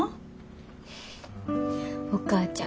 お母ちゃん